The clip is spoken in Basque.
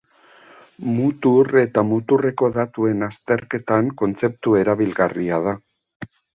Mutur eta muturreko datuen azterketan kontzeptu erabilgarria da.